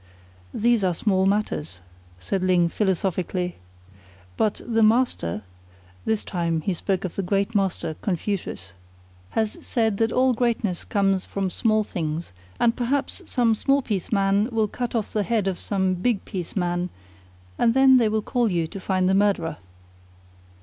"These are small matters," said Ling philosophically. "But The Master" this time he spoke of the great Master, Confucius "has said that all greatness comes from small things, and perhaps some small piece man will cut off the head of some big piece man, and then they will call you to find the murderer."